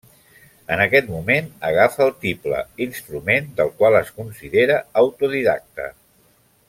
En aquest moment agafa el tible, instrument del qual es considera autodidacte.